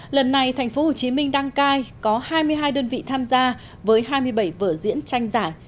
lần này tp hcm đăng cai có hai mươi hai đơn vị tham gia với hai mươi bảy vở diễn tranh giải